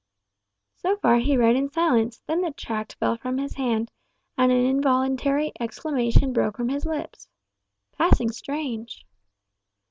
So far he read in silence, then the tract fell from his hand, and an involuntary exclamation broke from his lips "Passing strange!"